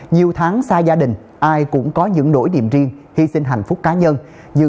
nhiều tháng xa gia đình ai cũng có những nỗi điểm riêng hy sinh hạnh phúc cá nhân